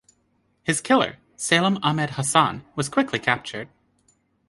His killer, Salem Ahmed Hassan, was quickly captured.